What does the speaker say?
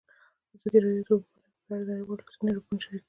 ازادي راډیو د د اوبو منابع په اړه د نړیوالو رسنیو راپورونه شریک کړي.